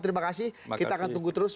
terima kasih kita akan tunggu terus